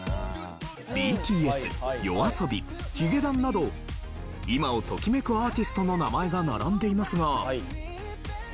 ＢＴＳＹＯＡＳＯＢＩヒゲダンなど今をときめくアーティストの名前が並んでいますが。